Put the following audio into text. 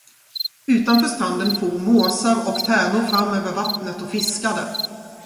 Utanför stranden for måsar och tärnor fram över vattnet och fiskade.